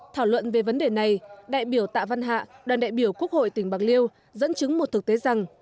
thảo luận về vấn đề này đại biểu tạ văn hạ đoàn đại biểu quốc hội tỉnh bạc liêu dẫn chứng một thực tế rằng